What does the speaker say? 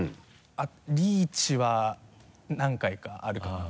リーチは何回かあるかなと。